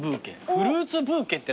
フルーツブーケって何だろう。